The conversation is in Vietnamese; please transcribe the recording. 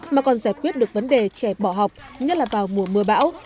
mà còn giải quyết được vấn đề trẻ bỏ học nhất là vào mùa mưa bão